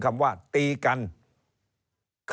เริ่มตั้งแต่หาเสียงสมัครลง